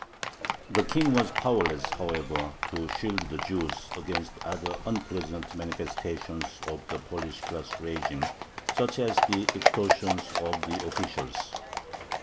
The King was powerless, however, to shield the Jews against other unpleasant manifestations of the Polish class régime, such as the extortions of the officials.